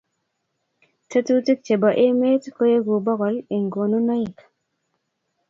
Tetukik chebo emet koeku bokol eng konunoik